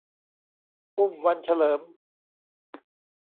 อุ้มวันเฉลิม